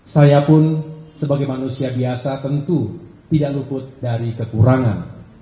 saya pun sebagai manusia biasa tentu tidak luput dari kekurangan